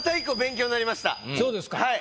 そうですか。